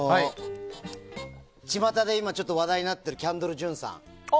ちまたで今、話題になっているキャンドル・ジュンさん。